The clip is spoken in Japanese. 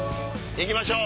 行きましょう。